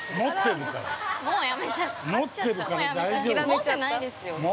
◆持ってないですよ。